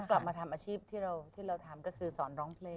กลับมาทำอาชีพที่เราทำก็คือสอนร้องเพลง